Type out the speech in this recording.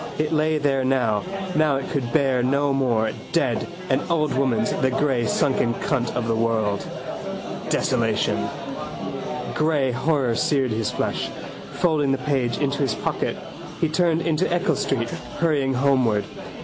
It lay there now. Now it could bear no more. Dead: an old woman's: the grey sunken cunt of the world. Desolation. Grey horror seared his flesh. Folding the page into his pocket he turned into Eccles street, hurrying homeward.